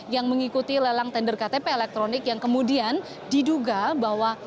yang mengikuti lelang tender ktp elektronik yang kemudian diduga bahwa